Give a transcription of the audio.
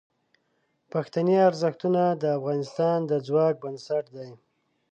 پښتني ارزښتونه د افغانستان د ځواک بنسټ دي.